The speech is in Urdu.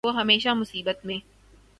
وہ ہمیشہ مصیبت میں